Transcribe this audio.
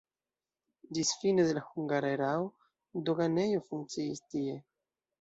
Ĝis fine de la hungara erao doganejo funkciis tie.